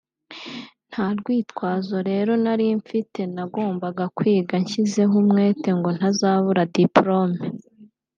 nta rwitwazo rero nari mfite nagombaga kwiga nshyizeho umwete ngo ntazabura Diplome…